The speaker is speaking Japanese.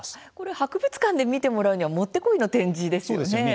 博物館で見てもらうにはもってこいの展示ですよね。